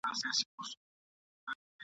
خبرونه پوهاوی زیاتوي.